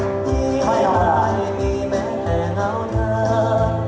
นี่มายังมีแม่แค่เหงาเธอ